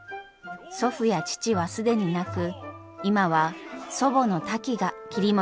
祖父や父は既になく今は祖母のタキが切り盛りしています。